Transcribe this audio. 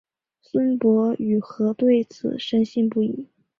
孙傅与何对此深信不疑。